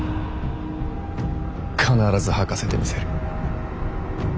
必ず吐かせてみせる。